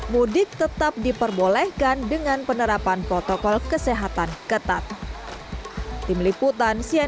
mudik tetap diperbolehkan dengan penerapan protokol kesehatan ketat